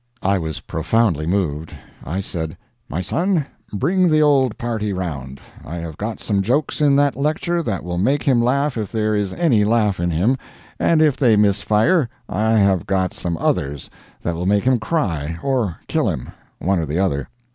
I was profoundly moved. I said: "My son, bring the old party round. I have got some jokes in that lecture that will make him laugh if there is any laugh in him; and if they miss fire, I have got some others that will make him cry or kill him, one or the other."